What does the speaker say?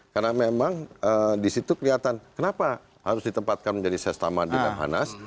karena memang disitu kelihatan kenapa harus ditempatkan menjadi setama di lemhanas